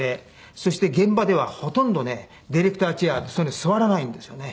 そして現場ではほとんどねディレクターチェアってそういうのに座らないんですよね。